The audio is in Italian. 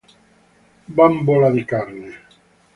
Bambola di carne